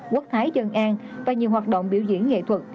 quốc thái dân an và nhiều hoạt động biểu diễn nghệ thuật